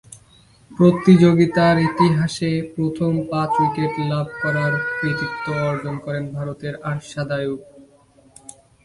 প্রতিযোগিতার ইতিহাসে প্রথম পাঁচ-উইকেট লাভ করার কৃতিত্ব অর্জন করেন ভারতের আরশাদ আইয়ুব।